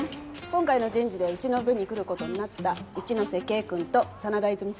今回の人事でうちの部に来る事になった一ノ瀬圭くんと真田和泉さん。